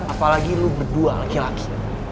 apalagi lu berdua laki laki